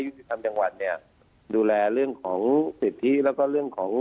ธรรมจังหวัดเนี่ยดูแลเรื่องของสิทธิแล้วก็เรื่องของ